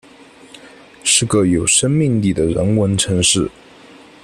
是个有生命力的人文城市